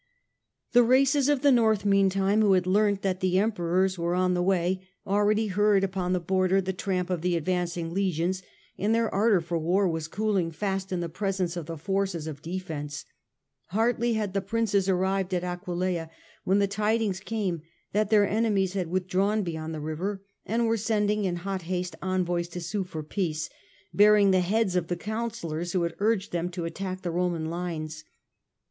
The races of the North meantime, who had learnt that the Emperors were on the way, already heard The border upon the border the tramp of the advancing for' legions, and their ardour for war was cooling peace ; fast in the presence of the forces of defence. Hardly had the princes arrived at Aquileia, when the tidings came that their enemies had withdrawn beyond the river, and were sending in hot haste envoys to sue for peace, bearing the heads of the counsellors who had urged them to attack the Roman lines.